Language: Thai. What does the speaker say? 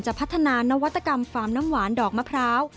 พัฒนานวัตกรรมฟาร์มน้ำหวานดอกมะพร้าว